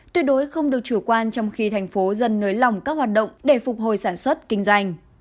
tuyệt đối không được chủ quan trong khi thành phố dần nới lỏng các hoạt động để phục hồi sản xuất kinh doanh